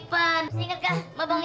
bawa buka buka